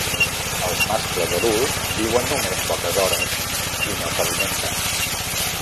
Els mascles adults viuen només poques hores i no s'alimenten.